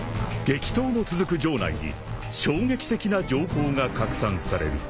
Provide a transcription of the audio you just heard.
［激闘の続く城内に衝撃的な情報が拡散される］